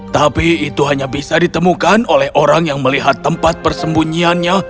tapi itu hanya bisa ditemukan oleh orang yang melihat tempat persembunyiannya